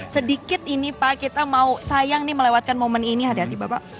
sedikit ini pak kita mau sayang nih melewatkan momen ini hati hati bapak